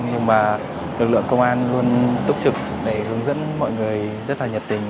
nhưng mà lực lượng công an luôn túc trực để hướng dẫn mọi người rất là nhiệt tình